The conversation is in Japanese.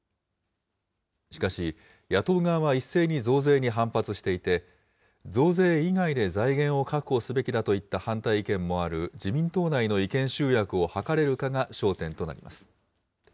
しかし、野党側は一斉に増税に反発していて、増税以外で財源を確保すべきだといった反対意見もある自民党内の意見集約を図れるかが焦点となります。